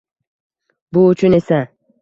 Bu uchun esa